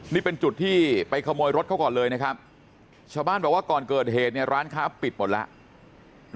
นี่เป็นจุดที่ไปขโมยรถเขาก่อนเลยนะครับชาวบ้านบอกว่าก่อนเกิดเหตุเนี่ยร้านค้าปิดหมดแล้ว